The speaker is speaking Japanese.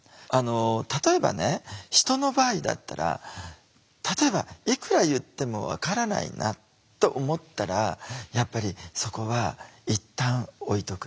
例えばね人の場合だったら例えば「いくら言っても分からないな」と思ったらやっぱりそこはいったん置いとく。